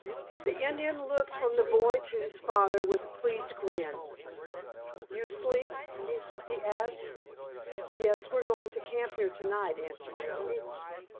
The Indian looked from the boy to his father with a pleased grin. "You sleep?" he asked. "Yes, we're going to camp here to night," answered Joe.